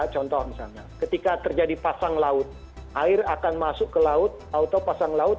contoh misalnya ketika terjadi pasang laut air akan masuk ke laut atau pasang laut